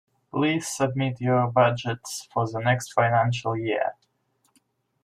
Please submit your budgets for the next financial year